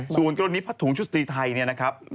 สูงกับตรงนี้พระถุงชุดศรีไทยเนี่ยนะครับ